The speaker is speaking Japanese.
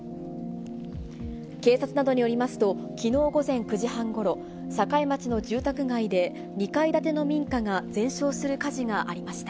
警察などによりますと、きのう午前９時半ごろ、栄町の住宅街で２階建ての民家が全焼する火事がありました。